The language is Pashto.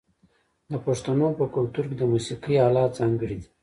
د پښتنو په کلتور کې د موسیقۍ الات ځانګړي دي.